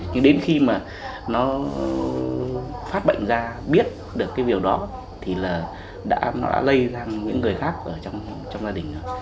nhưng đến khi mà nó phát bệnh ra biết được cái điều đó thì là nó đã lây ra những người khác ở trong gia đình